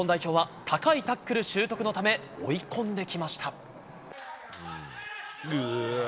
日本代表は、高いタックル習得のため、追い込んできました。